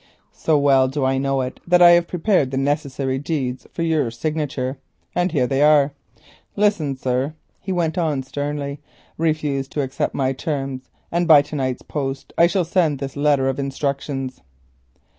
So well do I know it that I have prepared the necessary deeds for your signature, and here they are. Listen, sir," he went on sternly; "refuse to accept my terms and by to night's post I shall send this letter of instructions.